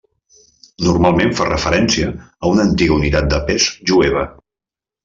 Normalment fa referència a una antiga unitat de pes jueva.